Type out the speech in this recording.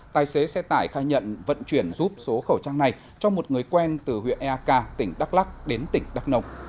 tài xế xe tải khai nhận vận chuyển giúp số khẩu trang này cho một người quen từ huyện eak tỉnh đắk lắc đến tỉnh đắk nông